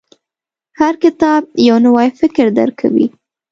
• هر کتاب، یو نوی فکر درکوي.